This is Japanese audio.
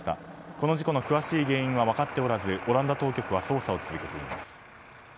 この事故の詳しい原因は分かっておらずオランダ当局は捜査を続けています。